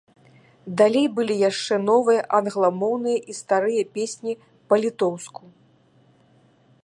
Далей былі яшчэ новыя англамоўныя і старыя песні па-літоўску.